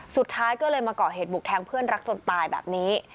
สุดท้ายก็เลยมาเกาะเหตุบุกแทงเพื่อนรักจนตายแบบนี้